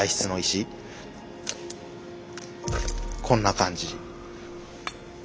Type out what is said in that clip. こんな感じ。